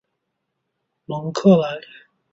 蒙克莱。